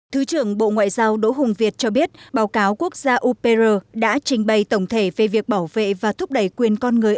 thứ trưởng bộ ngoại giao đỗ hùng việt cho biết báo cáo quốc gia upr đã trình bày tổng thể về việc bảo vệ và thúc đẩy quyền con người